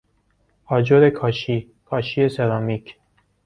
آجر کاشی، کاشی سرامیک